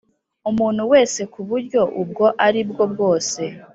Umuntu wese ku buryo ubwo ari bwo bwose